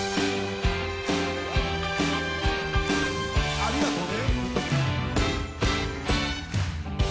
ありがとね！